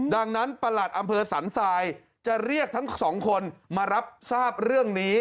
ดังนั้นประหลัดอำเภอสันทรายจะเรียกทั้งสองคนมารับทราบเรื่องนี้